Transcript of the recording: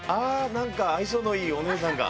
なんか愛想のいいお姉さんが。